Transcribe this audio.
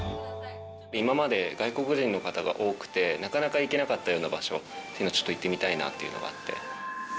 今まで外国人の方が多くて、なかなか行けなかったような場所っていうのを、ちょっと行ってみたいなっていうのがあって。